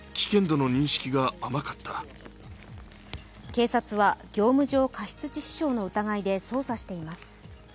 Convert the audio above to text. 警察は業務上過失致死傷の疑いで捜査しています。